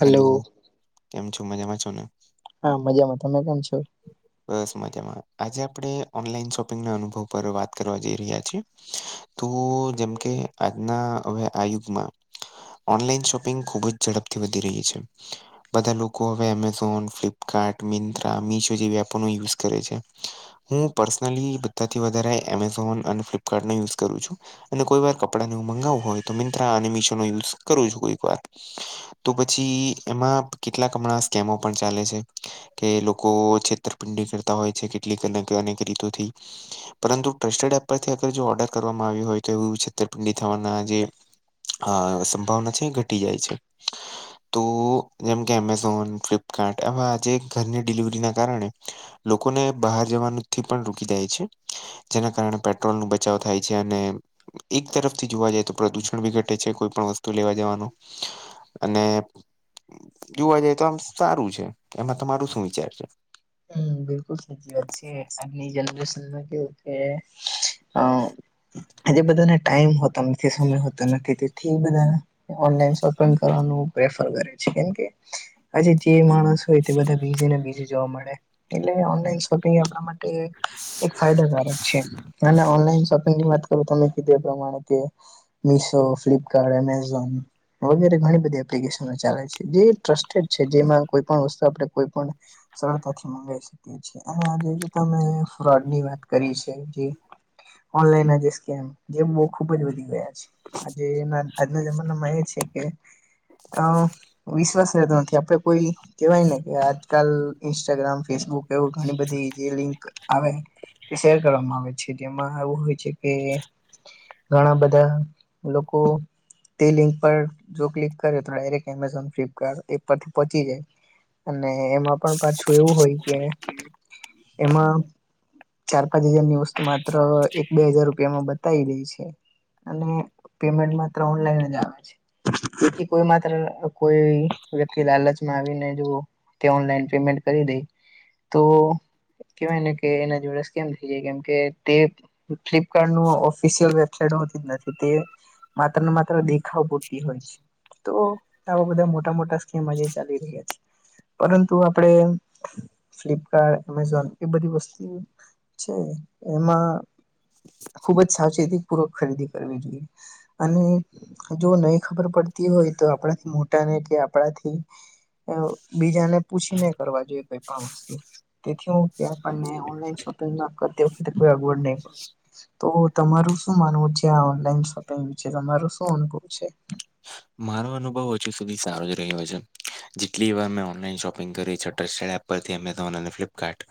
Hello hello. કેમ છો? મજામાં છો ને. હા, મજામાં. તમે કેમ છો? બસ મજામાં, આજે આપણે ઓનલાઈન શોપિંગના અનુભવ પર વાત કરવા જઈ રહ્યા છીએ. તો જેમ કે આજના હવે આ યુગમાં ઓનલાઈન શોપિંગ ખુબ જ ઝડપથી વધી રહી છે. બધા લોકો હવે એમેઝોન, ફ્લિપકાર્ટ મિંત્રા, મિશો જેવી એપો ન યુઝ કરે છે. હું પર્સનલી બધાથી વધારે એમેઝોન અને ફ્લિપકાર્ટનો યુઝ કરું છું. અને કોઈ વાર કપડાને મંગાવું હોય તો મિંત્રા, મીશો નો યુઝ કરું છું કોઈક વાર. તો પછી એમાં કેટલાક હમણાં સ્કેમો પણ ચાલે છે કે લોકો છે છેતરપિંડી કરતા હોય છે. કેટલીક અનેક રીતોથી પરંતુ ટ્રસ્ટેડ એપ પરથી જો ઓર્ડર કરવામાં આવ્યું હોય તો એવું છેતરપિંડી થવાના જે આ સંભાવના છે ઘટી જાય છે, તો જેમ કે ફ્લિપકાર્ટ આજે ઘરની ડિલિવરીના કારણે લોકોને બહાર જવાનું થી પણ રોકી જાય છે. જેના કારણે પેટ્રોલ નું બચાવ થાય છે, અને એક તરફથી જોવા જાય તો પ્રદુષણ પણ ઘટે છે, કોઈ પણ વસ્તુ લેવા જવાનું અને જોવા જઈ તો આમ સારું છે, એમાં તમારું શું વિચાર છે, હમ બિલકુલ સાચી વાત છે, આજની જનરેશનમાં કેવું કે અ આજે બધાને ટાઈમ હોતો નથી, સમય હોતો નથી તેથી બધાને ઓનલાઈન શોપિંગ કરવાનું પ્રેફર કરે છે, કેમકે આજે જે માણસ હોય તે બીઝી ને બીઝી જોવા મળે. એટલે ઓનલાઈન શોપિંગ આપણા માટે એક ફાયદાકારક છે, અને ઓનલાઈન શોપિંગની વાત કરુ તમે કીધું એ પ્રમાણે કે મિશો, ફ્લિપકાર્ટ, એમેઝોન વગેરે ઘણી બધી એપ [unintelligible] ચાલે છે જે ટ્રસ્ટેડ છે, જેમાં કોઈ પણ વસ્તુ આપડે કોઈ પણ સરળતા લઈ શકીએ છીએ અને આજે જો તમે ફ્રોડની વાત કરી છે, જે ઓનલાઈનના જે સ કેમ જેમ બહુ ખુબ જ વધી ગયા છે, આજેના આજના જમાનામાં એ છે કે અ હા. વિશ્વાસ રહેતો નથી આપડે કોઈ કેવાય ને કે આજકાલ ઈન્સ ટાગ્રામ, ફેસબુક એવુ ઘણી બધી જે લિંક આવે હે. એ શેર કરવામાં આવે છે, જેમાં એવું હોય છે કે ઘણા બધા લોકો તે લિંક પર જો ક્લિક કરે તો, ડાયરેક્ટ એમેઝોન, ફ્લિપકાર્ટ એપ પરથી પહોંચી જાય. અને એમાં પણ પાછું એવું હોય કે એમાં ચાર પાંચ હજારની વસ્તુ માત્ર એક બે હજાર રૂપિયામાં બતાવી દેઈ છે. અને પેમેન્ટ માત્ર ઓનલાઈન જ આવે છે. તેથી કોઈ માત્ર કોઈ વ્યક્તિ લાલચમાં આવીને જો ત્યાં ઓનલાઈન પેમેન્ટ કરી દે તો કેવાય ને કે એના જોડે સ્કેમ થઇ જાય કેમકે તે [unintelligible] ફ્લિપકાર્ટનુ ઓફિશિયલ વેબસાાઈટ હોતી જ નથી તે માત્ર ને માત્ર દેખાવ પૂરતી હોય છે, તો આવા બધા મોટા મોટા સ્કેમ આજે ચાલી રહ્યા છે, પરંતુ આપણેે ફ્લિપકાર્ટ, એમેઝોન એ બધી વસ્તુ છે ને એમાં ખુબ જ સાવચેતી પૂર્વક ખરીદી કરવી જોઈએ. અને જો નહી ખબર પડતી હોય તો આપણાથી મોટાને કે આપણાથી અ બીજાને પૂછીને કરવા જોઈએ કોઈ પણ વસ્તુ, તેથી હું કે આપણને ઓનલાઈન શોપિંગમાં કરતી વખતે કોઈ અગવડ નહીં પડે. [unintelligible] તો તમારું શું માનવું છે આ ઓનલાઈન શોપિંગ વિશે, તમારો શું અનુભવ છે? મારો અનુભવ હજુ સુધી સારો જ રહ્યો છે, જેટલી વાર મેં ઓનલાઈન શોપિંગ કરી છે [unintelligible] પરથી એમેઝોન અને ફ્લિપકાર્ટ.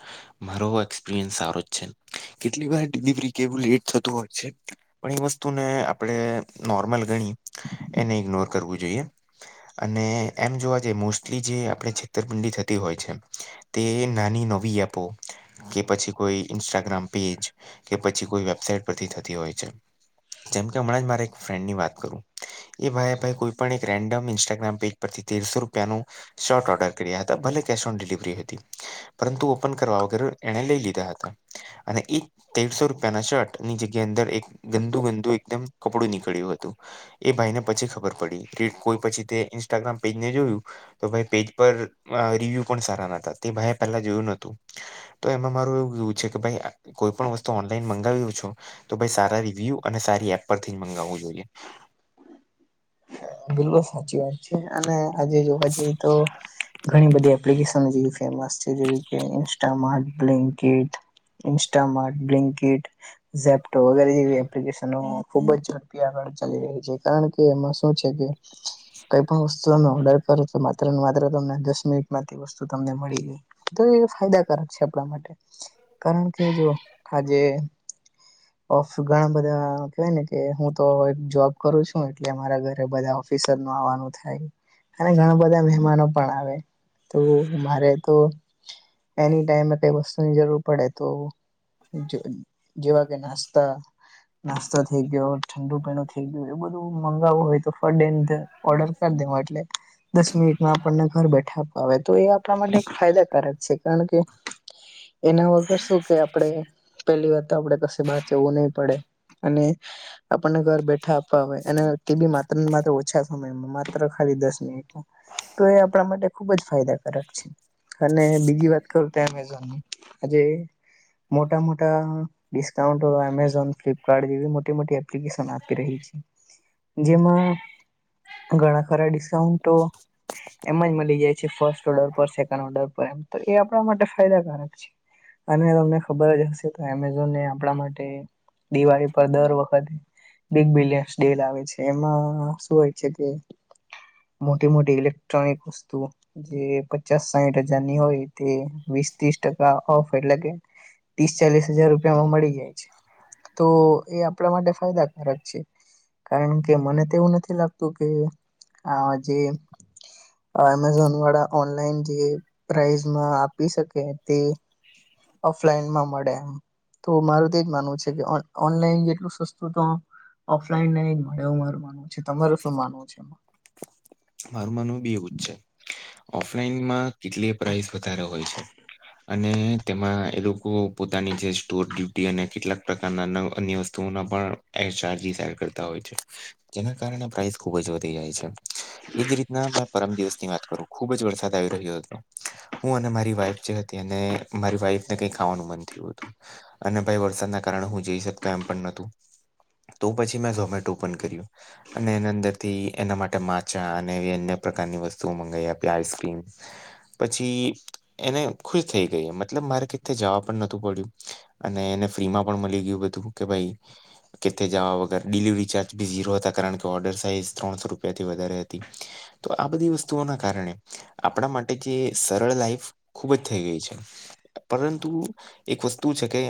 મારો એક્સપિરિયન્સ સારો જ છે, કેટલીક વાર ડિલિવરી કે એવું લેટ થતુ હોય છે. પણ એ વસ્તુને આપણે નોર્મલ ગણી એને ઈગ્નોર કરવું જોઈએ. અને એમ જોવા જઈ મોસ્ટલી જે આપણે છેતરપિંડી થતી હોય છે, તે નાની નવી એપો કે પછી કોઈ ઇન્સ્ટાગ્રામ પેજ કે પછી કોઈ વેબસાાઈટ પરથી થતી હોય છે. જેમકે હમણાં જ મારા એક ફ્રેન્ડની વાત કરું એ ભાઈએ ભાઈ કોઈ પણ એક રેન્ડમ ઇન્સ્ટાગ્રામ પેજ પરથી તેરસો રૂપિયાનું શર્ટ ઓર્ડર કર્યા હતા, ભલે કેશ ઓન ડિલિવરી હતી. પરંતુ ઓપન કરવા વગર એણે લઈ લીધા હતા અને એ તેરસો રૂપિયાના શર્ટ ની જગ્યા અંદર એક ગંદુ-ગંદુ એકદમ કપડું નીકળ્યું હતું. એ ભાઈને પછી ખબર કે કોઈ પછી તે ઇન્સ્ટાગ્રામ પેજને જોયું તો ભઈ પેજ પર રિવ્યુ પણ સારા નતા. તે ભાઈ પહેલા જોયું નતું. તો એમાં મારું એવું કેવું છે કે ભાઈ કોઈ પણ વસ્તુ ઓનલાઈન મંગાવ્યો છું તો ભાઈ સારા રિવ્યુ અને સારી એપ પરથી જ મગાવવું જોઈએ. બિલકુલ સાચી વાત છે અને આજે જોવા જઈએ તો ઘણી બધી એપ્લિકેશ જ એવી છે ફેમસ છે જેવી કે Instamart, Blinkit, Instamart, Blinkit Zepto વગેરે જેવી એ પ્લીકેશનો ખુબ જ ઝડપી આગળ ચાલી રહી છે કારણ કે એમાં શું છે, કે કઈ પણ વસ્તુ અમે ઓર્ડર [unintelligible] માત્ર ને માત્ર તમને દસ મિનિટમાં તે વસ્તુ તમને મળી ગઈ તો એ ફાયદાકારક છે, આપણા માટે. કારણ કે જો આજે ઓફ ઘણા બધા કેવાય ને કે હું તો એક જોબ કરું છું એટલે મારા ઘ રે બધા ઓફિસરનું આવાનું થાય અને ઘણા બધા મહેમાનો પણ આવે તો મારે તો એની ટાઈમ કઈ વસ્ તુંની જરૂર પડે તો જે- જેવા કે નાસ્તા નાસ્તો થઈ ગયો, ઠંડુ-પીણું થઈ ગયું એ બધું મગાવવું હોય તો [unintelligible] ઓર્ડર કર દેવો એટલે દસ મિનિટમાં આપણને ઘર બેઠા હવે તો એ આપણા માટે એક ફાયદાકારક છે, કારણ કે એના વગર શું કે આપડે પેલી વાત તો આપડે કશે બહાર જવું નહી પડે અને આપણને ઘર બેઠા આપવા આવે અને તે બી માત્ર ને માત્ર ઓછા સમયમાં માત્ર ખાલી દસ મિનિટમાં. તો એ આપણા માટે ખુબ જ ફાયદાકારક છે. અને બીજી વાત કરું તો એમેઝોનની આજે મોટા-મોટા ડિસ્કાઉન્ટો એમેઝોન, ફ્લિપકાર્ટ જેવી મોટી-મોટી એપ્લિકેશન આપી રહી છે. જેમાં ઘણા ખરા ડિસ્કાઉન્ટો એમ જ મલી જાય છે ફર્સ્ટ ઓર્ડર પર સેકન્ડ ઓર્ડર પર એમ તો એ આપણા માટે ફાયદાકારક છે. અને તમને ખબર જ હશે તો એમેઝોનને આ પડા માટે દિવાળી પર દર વખતે બિગ બિલિયન્સ ડે લાવે છે, એમાં હ શું હોય છે, કે મોટી મોટી ઇલેક્ટ્રોનિક વસ્તુઓ જે પ ચાસ-સાહીઠ હજારની હોય તે વીસ-તીસ ટકા ઓફર એટલે કે ત્રીસ-ચાલીશ હજાર રૂપિયામાં મળી જાય છે. તો એ આપણા માટે ફાયદાકારક છે, કારણ કે મને એવું નથી લાગતું કે આ જે એમેઝોન વાળા ઓનલાઈન જે પ્રઇઝમાં આપી શકે તે ઓફલાઈનમાં મળે તો મારું તો એજ માનવું છે કે ઓન-ઓનલાઈન જેટલું સસ્તું તો ઓફલાઈન નઈ મળે એવું મારું માનવું છે, તમારું શું માનવું છે? મારું માનવું બી એવું જ છે. ઓફલાઈનમાં કેટલીએ પ્રાઇસ વધારે હોય છે અને તેમાં એ લોકો પોતાની જે સ્ટોર ડ્યુટી અને કેટલાક પ્રકારના નવ અન્ય ત ત્વોના પણ એ ચાર્જીસ હાયર કરતા હોય છે જેના કારણે પ્રાઇસ ખુબ જ વધી જાય છે. એજ રીતના મેં પરમ દિવસની વાત કરું ખુબ જ વરસાદ આવી રહ્યો હતો હું અને મારી વાઈફ જે હતી અને મારી વાઈફને કઈ ખાવાનું મન થયું હતું અને ભાઈ વરસાદના કારણે હું જઈ શકતો એમ પણ નતું તો પછી મેં ઝોમેટોપન કર્યું અને એની અંદરથી એના માટે માચ અને એ અન્ય પ્રકારની વસ્તુઓ મંગાઈ આપી. આઈસક્રીમ પછી એને ખુશ થઈ ગઈ. મતલબ મારે કેથે જવા પણ નતું પડ્યું. અને એને ફ્રી માં પણ મળી ગયું બધું કે ભાઈ કેથે જવા વગર ડિલિવરી ચાર્જ બી ઝીરો હતા. કારણ કે ઓર્ડર સાઈઝ ત્રણસો રૂપિયાથી વધારે તો આ બધી વસ્તુઓના કારણે આપણા માટે જે સરળ લાઈફ ખુબ જ થઈ ગઈ છે. પરંતુ એક વસ્તુ છે કે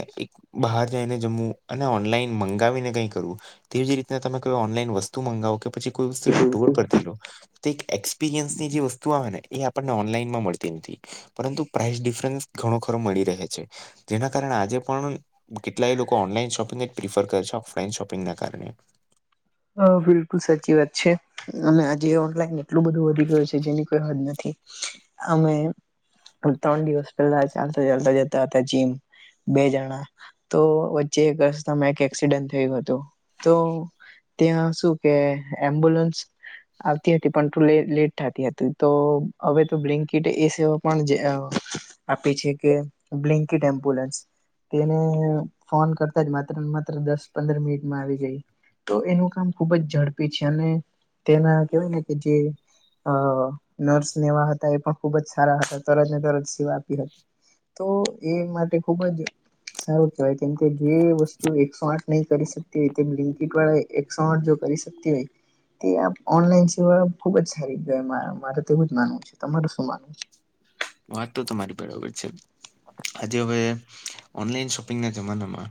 બહાર જઈને જમવું અને ઓનલાઈન મંગાવીને કઈ કરવું. તેવી રીતના તમે કોઈ ઓનલાઈન વસ્તુ મંગાવો કે પછી કોઈ વસ્તુ સ્ટોર પરતી લો. તે એક્સપિરિયન્સની જે વસ્તુ આવેને, એ આપણને ઓનલાઈનમાં મળતી નથી. પરંતુ પ્રાઇસ ડિફરન્સ ઘણો ખરો મળી રહે છે. જેના કારણે આજે પણ કેટલાય લોકો ઓનલાઈન શોપિંગ જ પ્રિફર કરે છે. ઓફલાઈન શોપિંગના કારણે હ, બિલકુલ સાચી વાત છે. અને આજે ઓનલાઈન એટલું બધું વધી ગયું છે, જેની કોઈ હદ નથી. અમે ત્રણ દિવસ પહેલા ચાલતા ચાલતા જતા હતા જીમ. બે જણા તો વચ્ચે એક રસ્તામાં એક એક્સિડન્ટ થયું હતું. તો ત્યાં શું કે એમ્બ્યુલન્સ આવતી હતી પણ લેટ થતી હતી તો હવે તો બ્લન્ટ એ સ પણજે હ આપે છે કે બ્લિંકીટ એમ્બુલન્સ તેને ફોન કરતા જ મા માત્ર દસ પંદર મિનિટમાં આવી ગઈ. તો એનું કામ ખુબ જ ઝડપી છે અને તેના કેહેવાય ને, કે જે અ નર્સ ને એવા હતા. એ પણ ખુબ જ સારા હતા. તરત ને તરત સેવા આપી હતી. તો એ માટે ખુબ જ સારું કેહેવાય. કેમ કે જે વસ્તુ એકસો આઠ નહી કરી શકતી હોય, તે [unintelligible] એકસો આઠ જો કરી શકતી હોય, તે આ ઓનલાઈન સેવા ખુબ જ સારી કેવાય મારે તેવું જ માનવું છે. તમાર શું માનવું છે? વાત તો તમારી બરાબર છે. આજે હવે, ઓનલાઈન શોપિંગના જમાનામાં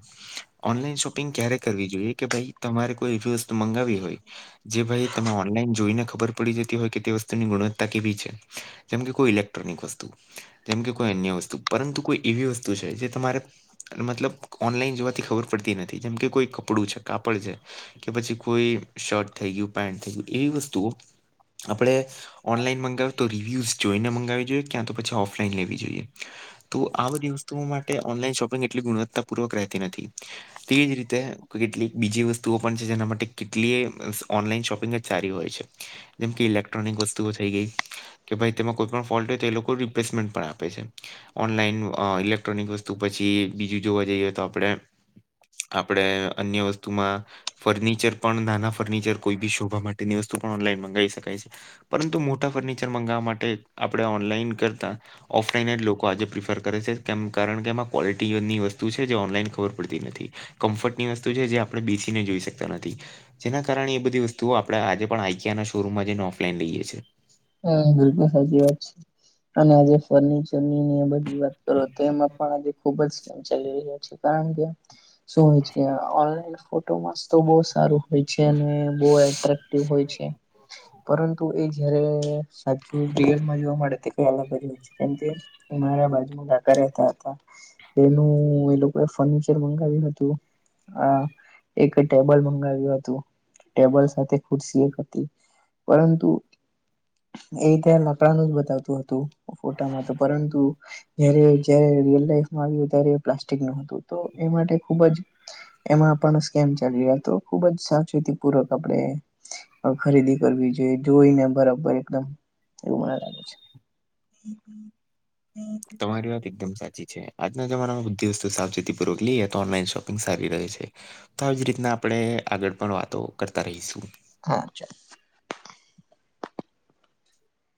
ઓનલાઈન શોપિંગ ક્યારે કરવી જોઈએ કે ભાઈ તમારે કોઈ એ વસ્તુ મંગાવી હોય, જે ભાઈ તમે ઓનલાઈન જોઈને, ખબર પડી જતી હોય કે તે વસ્તુની ગુણત્તા કેવી છે. જેમ કે કોઈ ઇલેક્ટ્રોનિક વસ્તુ જેમ કોઈ અન્ય વસ્તુ. પરંતુ કોઈ એવી વસ્તુ છે, જે તમારે મતલબ. ઓનલાઈન જોવાથી ખબર પડતી નથી, જેમ કે કોઈ કપડું છે, કાપડ છે. કે પછી કોઈ શર્ટ થઈ ગયું, પેન્ટ થઈ ગયું એવી વસ્તુઓ આપણે ઓનલાઈન મંગાવી, તો રિવ્યૂઝ જોઈને, મગાવવી જોઈએ. ક્યાં તો પછી ઓફલાઈન લેવી જોઈએ. તો આ બધી વસ્તુઓ માટે ઓનલાઈન શોપિંગ એટલી ગુણવત્તાપૂર્વક રહેતી નથી. તેવી જ રીતે કેટલીક બીજી વસ્તુઓ પણ છે, જેના માટે કેટલી ઓનલાઈન શોપિંગ સારી હોય છે, જેમ ઇલેક્ટ્રોનિક વસ્તુ થઈ ગઈ. કે ભઈ તેમાં કોઈ પણ ફોલ્ટ હોય, તો લોકો રિપ્લેસમેન્ટ પણ આપે છે. ઓનલાઈન અ ઇલેક્ટ્રોનિક વસ્તુ, પછી બીજું જોવા જઈએ, તો આપણે આપણે અન્ય વસ્તુમાં ફર્નિચર પણ નાના ફર્નિચર કોઈ બી શોભા માટેની વસ્તુ પણ ઓનલાઈન મંગાવી શકાય છે. પરંતુ મોટા ફર્નિચર મંગાવવા માટે આપણે ઓનલાઈન કરતા ઓફલાઈન જ લોકો આજે પ્રિફર કરે છે. કેમ કારણ કે એમાં ક્વલિટીની વસ્તુ છે, જે ઓનલાઈન ખબર પડતી નથી. કમ્ફર્ટની વસ્તુ જે જ્યાં આપણે બેસીને જોઈ શકતા નથી. જેના કારણે એ બધી વસ્તુઓ આપણે આજે પણ આઈક ના શોરૂમમાં જઈને, ઓફલાઈન લઈએ છીએ. હમ્મ, બિલકુલ સાચી વાત છે. અને આજે ફ જમીન ને બધી વાત કરો તો એમાં પણ આજે ખુબ જ સ્મ ચાલી રહ્યા છે, કારણ કે શું હોય છે? આ ઓનલાઈન ફોટોમાંસ્ તો બહ સારું હોય છે અને બો અટેક્ટિવ હોય છે, પરંતુ એ જ્યારે સાચું રિયલમાં જોવા મળે તે કંઈક અલગ હો છે કેમ કે એ મારા બાજુમાં કાકા રહેતા હતા એનું એ લોકોએ ફર્નિચર મંગાવ્યું હતું. આ એક ટેબલ મંગાવ્યું હતું, ટેબલ સાથે ખુરશી એક હતી. પરંતુ એ ત લકડાનું જ બતાવતું હતું ફોટામાં તો પરંતુ ઘરે જય રિયલ લાઈફ આવ્યું ત્યારે પ્લાસ્ટિક નું હતું તો એ માટે ખુબ જ એમાં પણ સ્કેમ ચલીયો હતો. ખુબ જ સાચવીતી પૂર્વક આપડે ખરીદી કરવી જોઈએ, જોઈને બરાબર એકદમ એવું મને લાગે છે. હમ્મ, હમ્મ. તમારી વાત એકદમ સાચી છે, આજના જમાનામાં બુ્ધિ વસ્તુ સાવચેતી પૂર્વક લઈએ તો ઓનલાઈન શોપિંગ સારી રહે છે. તો આવી જ રીતના આપણે આગળ પણ વાતો કરતા રહીશું. હા, ચાલે.